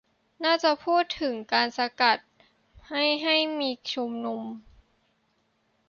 น่าจะพูดถึงการสกัดไม่ให้มีชุมนุม